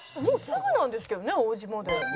もうすぐなんですけどね王子まで。